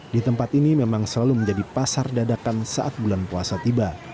di tempat ini memang selalu menjadi pasar dadakan saat bulan puasa tiba